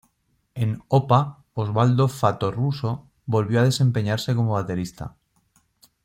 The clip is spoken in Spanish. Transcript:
En Opa, Osvaldo Fattoruso volvió a desempeñarse como baterista.